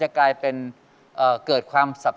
ทุกวันโครงการการโทรศัพท์